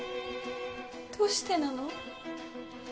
どうしてなの！？